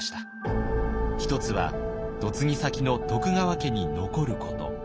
一つは嫁ぎ先の徳川家に残ること。